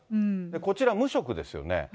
こちら無職ですよね。